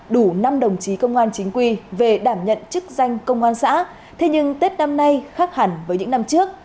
đủ năm đồng chí công an chính quy về đảm nhận chức danh công an xã thế nhưng tết năm nay khác hẳn với những năm trước